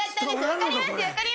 分かります？」